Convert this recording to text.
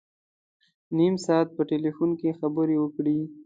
نیم ساعت په ټلفون کې خبري وکړې.